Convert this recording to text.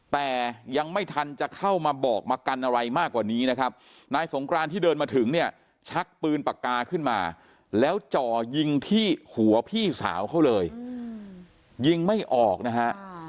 แต่ยังไม่ทันจะเข้ามาบอกมากันอะไรมากกว่านี้นะครับนายสงกรานที่เดินมาถึงเนี่ยชักปืนปากกาขึ้นมาแล้วจ่อยิงที่หัวพี่สาวเขาเลยยิงไม่ออกนะฮะ